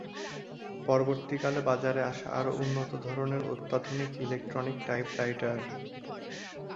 পরবর্তীকালে বাজারে আসে আরো উন্নত ধরনের অত্যাধুনিক ইলেকট্রনিক টাইপ রাইটার।